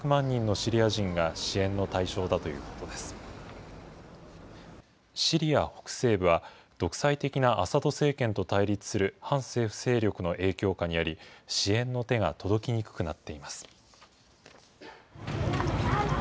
シリア北西部は、独裁的なアサド政権と対立する反政府勢力の影響下にあり、支援の手が届きにくくなっています。